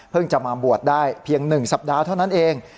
จะมาบวชได้เพียง๑สัปดาห์เท่านั้นเอง